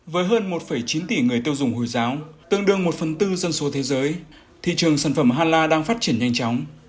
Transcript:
với hơn một chín tỷ người tiêu dùng hồi giáo tương đương một phần tư dân số thế giới thị trường sản phẩm hà la đang phát triển nhanh chóng